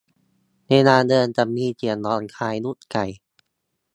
เวลาเดินจะมีเสียงร้องคล้ายลูกไก่